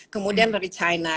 kemudian dari china